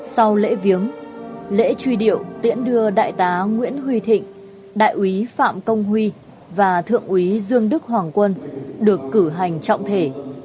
sau lễ viếng lễ truy điệu tiễn đưa đại tá nguyễn huy thịnh đại úy phạm công huy và thượng úy dương đức hoàng quân được cử hành trọng thể